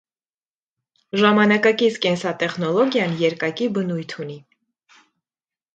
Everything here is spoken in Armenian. Ժամանակակից կենսատեխնոլոգիան երկակի բնույթ ունի։